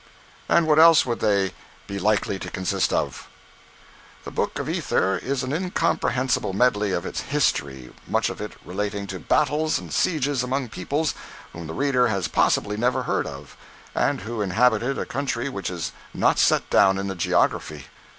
And what else would they be likely to consist of? The Book of Ether is an incomprehensible medley of "history," much of it relating to battles and sieges among peoples whom the reader has possibly never heard of; and who inhabited a country which is not set down in the geography.